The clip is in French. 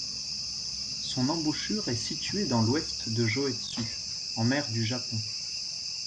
Son embouchure est située dans l'Ouest de Jōetsu, en mer du Japon.